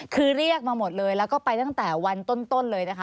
คือเรียกมาหมดเลยแล้วก็ไปตั้งแต่วันต้นเลยนะคะ